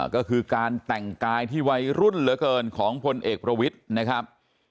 ก็คือการแต่งกายที่วัยรุ่นเหลือเกินของพลเอกประวิทย์นะครับ